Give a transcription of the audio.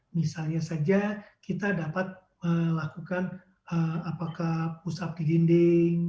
misalnya saja kita dapat melakukan apakah push up di dinding